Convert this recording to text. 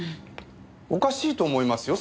おかしいと思いますよ